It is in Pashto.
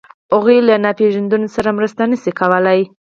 هغوی له ناپېژاندو سره مرسته نهشي کولی.